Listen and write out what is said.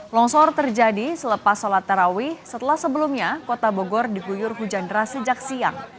longsor terjadi selepas sholat tarawih setelah sebelumnya kota bogor diguyur hujan deras sejak siang